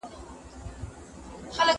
زه اوږده وخت منډه وهم وم؟!